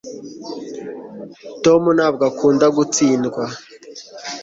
tom ntabwo akunda gutsindwa